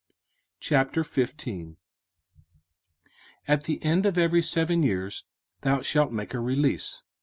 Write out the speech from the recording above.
05:015:001 At the end of every seven years thou shalt make a release.